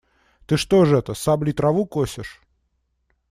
Ты что ж это, саблей траву косишь?